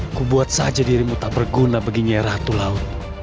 aku buat saja dirimu tak berguna bagi nyai ratu laut